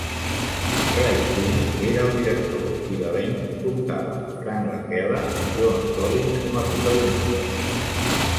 Ray Cooney era el director i l'elenc comptava amb Frank Langella i Joan Collins com a protagonistes.